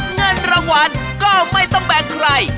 เงินรางวัลก็ไม่ต้องแบ่งใคร